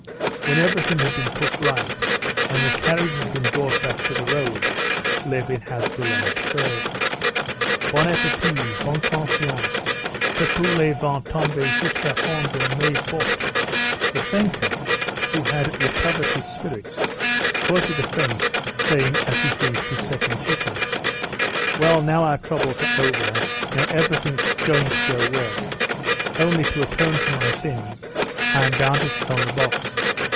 When everything had been put right, and the carriage had been brought back to the road, Levin had the lunch served. "Bon appétit—bonne conscience! Ce poulet va tomber jusqu'au fond de mes bottes," Vassenka, who had recovered his spirits, quoted the French saying as he finished his second chicken. "Well, now our troubles are over, now everything's going to go well. Only, to atone for my sins, I'm bound to sit on the box.